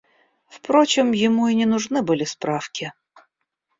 Впрочем, ему и не нужны были справки.